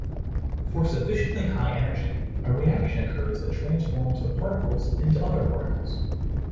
For sufficiently high energy, a reaction occurs that transforms the particles into other particles.